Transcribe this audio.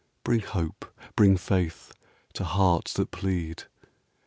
Bring hope, bring faith, to hearts that plead